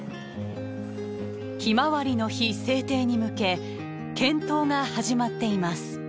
「ひまわりの日」制定に向け検討が始まっています。